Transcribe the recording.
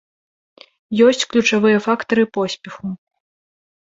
Ёсць ключавыя фактары поспеху.